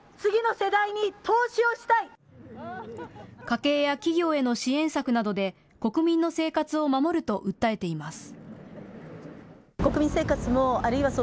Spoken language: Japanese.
家計や企業への支援策などで国民の生活を守ると訴えています。